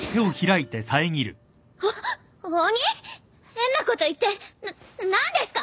変なこと言ってな何ですか？